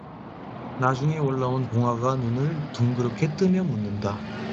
나중에 올라온 동화가 눈을 둥그렇게 뜨며 묻는다.